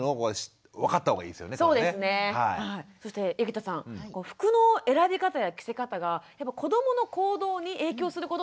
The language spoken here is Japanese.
そして井桁さん服の選び方や着せ方が子どもの行動に影響することってあるんですか？